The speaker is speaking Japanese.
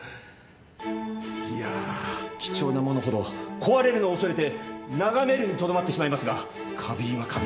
いや貴重なものほど壊れるのを恐れて眺めるにとどまってしまいますが花瓶は花瓶。